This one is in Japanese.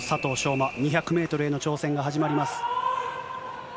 馬、２００メートルへの挑戦が始まります。